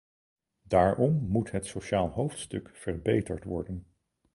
Daarom moet het sociaal hoofdstuk verbeterd worden.